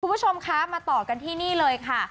คุณผู้ชมคะมาต่อกันที่นี่เลยค่ะ